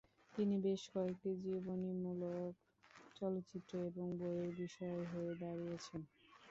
তিনি বেশ কয়েকটি জীবনীমূলক চলচ্চিত্র এবং বইয়ের বিষয় হয়ে দাঁড়িয়েছেন।